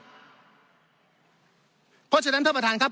เพราะฉะนั้นท่านประธานครับ